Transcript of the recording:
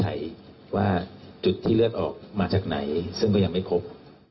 ใครว่าจุดที่เลือดออกมาจากไหนซึ่งก็ยังไม่พบ